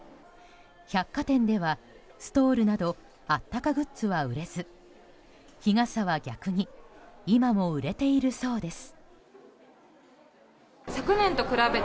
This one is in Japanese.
百貨店では、ストールなどあったかグッズは売れず日傘は逆に今も売れているそうです。